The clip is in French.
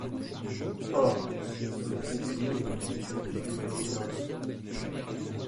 Or, ce n’était qu’une île, cette Nouvelle-Zélande.